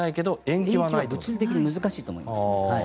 延期は物理的に難しいと思います。